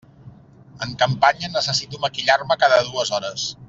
En campanya necessito maquillar-me cada dues hores.